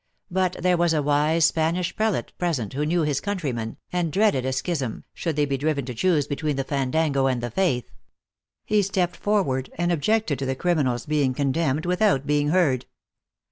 But there was a wise Spanish prelate present who knew his countrymen, and dreaded a schism, should they be driven to choose between the fandango and the faith. He stepped forward and ob jected to the criminal s being condemned without being heard.